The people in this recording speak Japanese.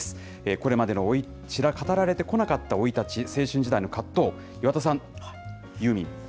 これまで語られてこなかった生い立ち、青春時代の葛藤、岩田さん、ユーミン。